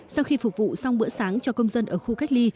sau khi phục vụ xong bữa sáng cho công dân ở khu cách ly